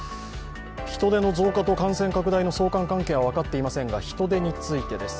人出の増加と感染拡大の相関関係は分かっていませんが人出についてです。